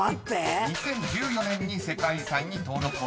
［２０１４年に世界遺産に登録をされました］